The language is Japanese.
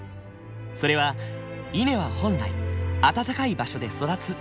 それは「稲は本来暖かい場所で育つ」という事。